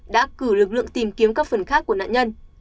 đã cử lực lượng tìm kiếm các phần khác của nạn nhân